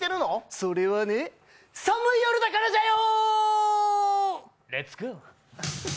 それはね、寒い夜だからだよー！